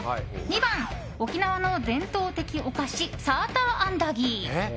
２番、沖縄の伝統的お菓子サーターアンダギー。